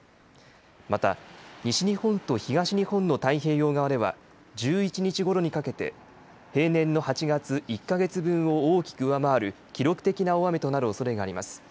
また西日本と東日本の太平洋側では１１日ごろにかけて平年の８月１か月分を大きく上回る記録的な大雨となるおそれがあります。